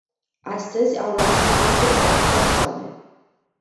Astăzi au luat cuvântul opt persoane.